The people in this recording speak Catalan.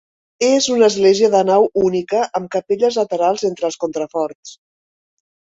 És una església de nau única amb capelles laterals entre els contraforts.